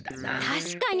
たしかに！